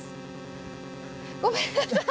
ごめんなさい。